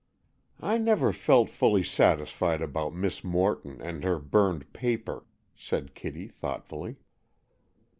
"I never felt fully satisfied about Miss Morton and her burned paper," said Kitty thoughtfully.